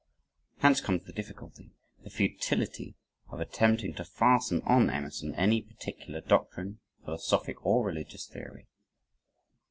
Hence comes the difficulty the futility of attempting to fasten on Emerson any particular doctrine, philosophic, or religious theory.